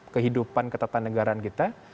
kehidupan ketatanegaraan kita